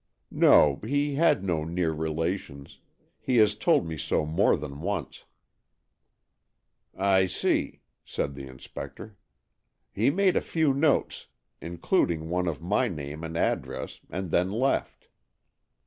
" No, he had no near relations. He has told me so more than once." '' I see," said the inspector. He made a few notes, including one of my name and address, and then left.